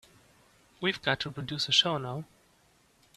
We've got to produce a show now.